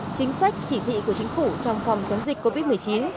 chính sách chỉ thị của chính phủ trong phòng chống dịch covid một mươi chín